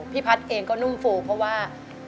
พี่พัฒน์เองก็นุ่มฟูเพราะว่า